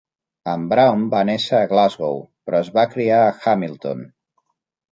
En Brown va néixer a Glasgow, però es va criar a Hamilton.